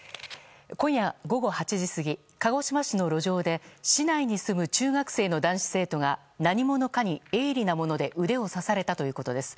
今夜午後８時過ぎ鹿児島市の路上で市内に住む中学生の男子生徒が何者かに鋭利なもので腕を刺されたということです。